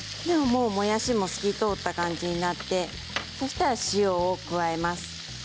もやしも透き通った感じになってそうしたら、塩を加えます。